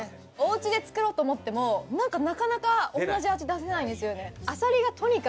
おうちで作ろうと思ってもなんかなかなか同じ味出せないんですよね。